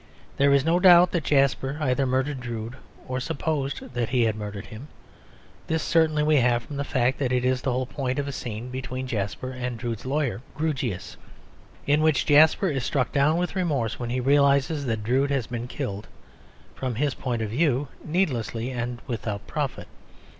There is no doubt that Jasper either murdered Drood or supposed that he had murdered him. This certainty we have from the fact that it is the whole point of a scene between Jasper and Drood's lawyer Grewgious in which Jasper is struck down with remorse when he realises that Drood has been killed (from his point of view) needlessly and without profit.